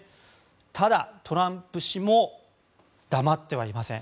ただ、トランプ氏も黙ってはいません。